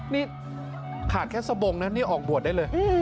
นี่ขาดแค่สบงนะนี่ออกบวชได้เลย